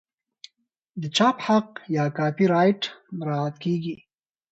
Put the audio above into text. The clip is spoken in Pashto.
د چاپ حق یا کاپي رایټ مراعات کیږي.